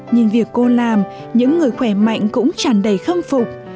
nhưng việc cô làm những người khỏe mạnh cũng tràn đầy khâm phục